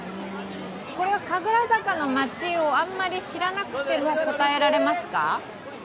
これは神楽坂の街をあまり知らなくても答えられますか？